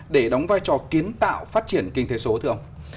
để đóng vai trò kiến tạo phát triển kinh tế số thưa ông